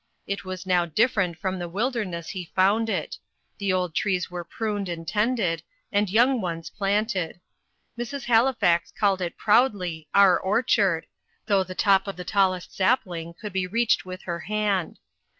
It was now different from the wilderness he found it; the old trees were pruned and tended, and young ones planted. Mrs. Halifax called it proudly "our orchard," though the top of the tallest sapling could be reached with her hand.